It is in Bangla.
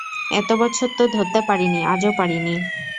এত বছর তো ধরতে পারিনি, আজও পারিনি।